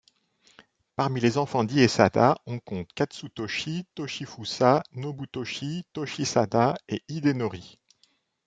Parmi les enfants d'Iesada on compte Katsutoshi, Toshifusa, Nobutoshi, Toshisada et Hidenori.